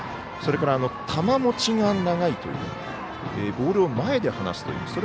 それから球もちが長いというボールを前で放すという。